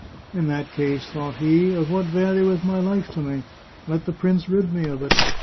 " In that case," thought he, " of what value is my life to me? Let the prince rid me of it.